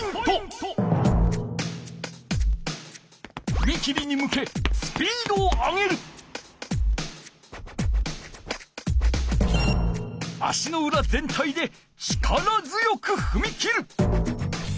ふみ切りに向け足のうら全体で力強くふみ切る。